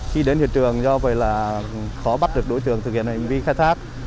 khi đến hiện trường do vậy là khó bắt được đối tượng thực hiện hành vi khai thác